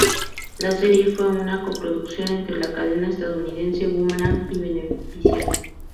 La serie fue una co-producción entre la cadena estadounidense Boomerang y Venevisión.